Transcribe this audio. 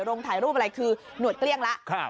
ถ่ายรูปอะไรคือหนวดเกลี้ยงแล้ว